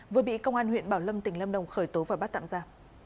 vừa bị công an huyện bảo lâm tỉnh lâm đồng khởi tố và bắt tạm ra